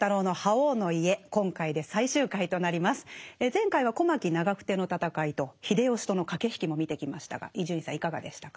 前回は小牧・長久手の戦いと秀吉との駆け引きも見てきましたが伊集院さんいかがでしたか？